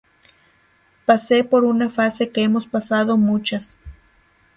Pasé por una fase que hemos pasado muchas